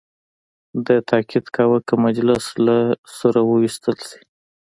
ده تاکید کاوه که مجلس له سوره وویستل شي.